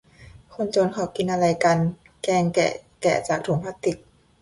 คนจนเขากินอะไรกัน แกงแกะ แกะจากถุงพลาสติก